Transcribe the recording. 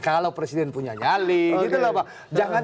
kalau presiden punya nyali gitu loh pak